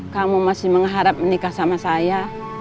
kamu masih mengharap menikah sama saya